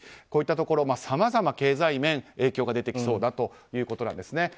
こういったところさまざま経済面影響が出てきそうだということです。